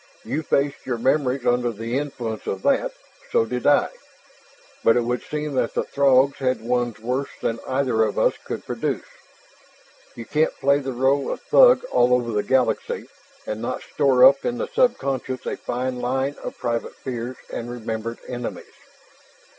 You faced your memories under the influence of that; so did I. But it would seem that the Throgs had ones worse than either of us could produce. You can't play the role of thug all over the galaxy and not store up in the subconscious a fine line of private fears and remembered enemies.